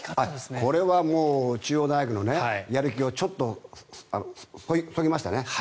これは中央大学のやる気をちょっとそぎましたね。